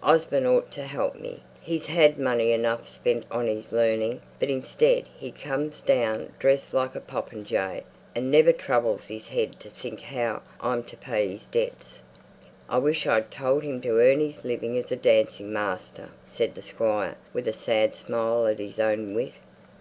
Osborne ought to help me. He's had money enough spent on his learning; but, instead, he comes down dressed like a popinjay, and never troubles his head to think how I'm to pay his debts. I wish I'd told him to earn his living as a dancing master," said the squire, with a sad smile at his own wit.